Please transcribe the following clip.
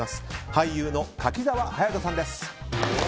俳優の柿澤勇人さんです。